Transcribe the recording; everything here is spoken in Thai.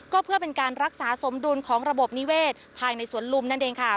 ก็เพื่อเป็นการรักษาสมดุลของระบบนิเวศภายในสวนลุมนั่นเองค่ะ